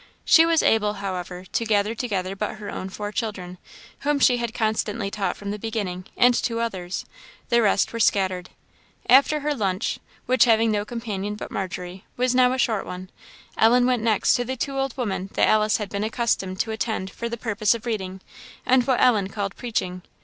She was able, however, to gather together but her own four children, whom she had constantly taught from the beginning, and two others. The rest were scattered. After her lunch, which, having no companion but Margery, was now a short one, Ellen went next to the two old women that Alice had been accustomed to attend for the purpose of reading, and what Ellen called preaching.